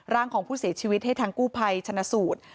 ร่างของผู้เสียชีวิตให้ทางกู้ภัยชนะสูตร